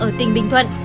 ở tỉnh bình thuận